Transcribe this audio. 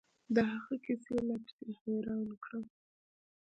د هغه کيسې لا پسې حيران کړم.